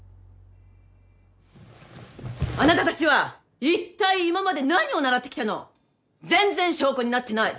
あなたたちはいったい今まで何を習ってきたの！？全然証拠になってない！